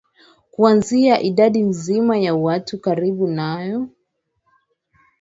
kuanzisha idadi nzima ya watu karibu nayo